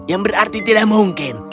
yang berarti tidak mungkin